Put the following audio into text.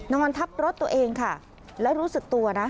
นอนทับรถตัวเองค่ะแล้วรู้สึกตัวนะ